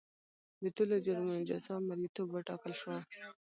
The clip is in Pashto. د ټولو جرمونو جزا مریتوب وټاکل شوه.